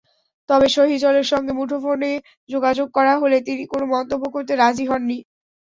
তবে সহিজলের সঙ্গে মুঠোফোনে যোগাযোগ করা হলে তিনি কোনো মন্তব্য করতে রাজি হননি।